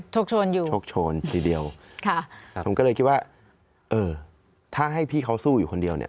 ชกชนอยู่ค่ะผมก็เลยคิดว่าถ้าให้พี่เขาสู้อยู่คนเดียวเนี่ย